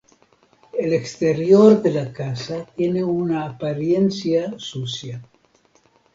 El exterior de la casa tiene una apariencia sucia.